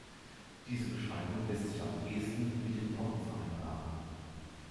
Diese Beschreibung lässt sich am ehesten mit den Pocken vereinbaren.